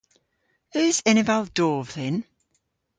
Eus eneval dov dhyn?